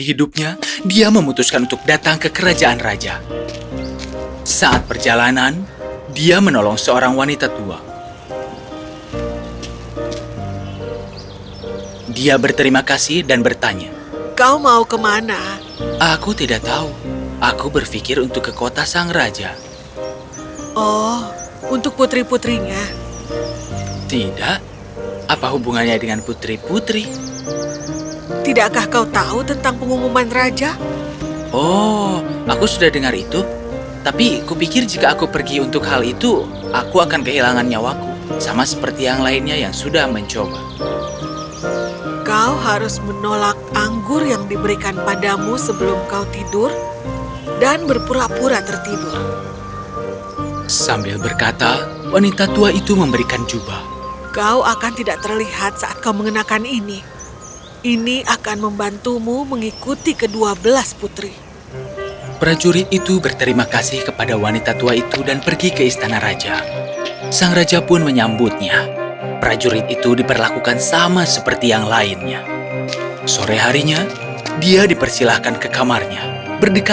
halo aku membawakan anggur untukmu aku mohon terimalah sebagai minuman sambutan dari kami